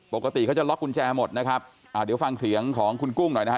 ปกติเขาจะล็อกกุญแจหมดนะครับอ่าเดี๋ยวฟังเสียงของคุณกุ้งหน่อยนะฮะ